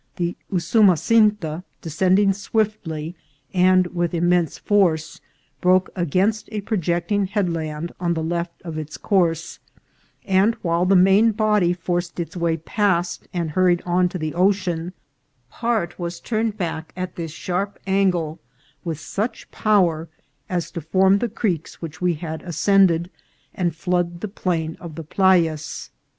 The Usumasinta, descending swift ly and with immense force, broke against a projecting headland on the left of its course ; and, while the main body forced its way past and hurried on to the ocean, part was turned back at this sharp angle with such power as to form the creeks which we had ascended, and flood the plain of the Playas.